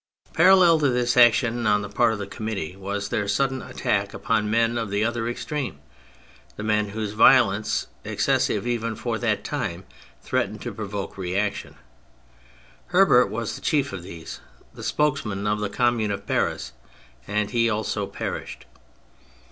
Parallel to this action on the part of the Committee was their sudden attack upon men of the other extreme : the men whose violence, excessive even for that time, threatened to provoke reaction. Hubert was the chief of these, the spokesman of the Commune of Paris; and he also perished.